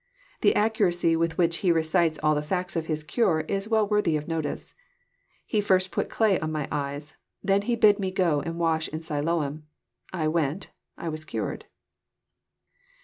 The accuracy with which he recites all the facts of his cure is well worthy of notice. *< He first put clay on my eyes ; then He bid me go and wash in Siloam ;— I went : I was cared.